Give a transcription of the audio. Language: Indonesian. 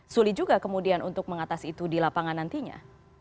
sulit juga kemudian untuk mengatas itu di lapangan nantinya